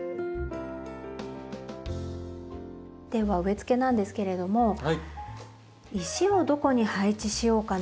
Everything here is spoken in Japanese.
では植え付けなんですけれども石をどこに配置しようかな。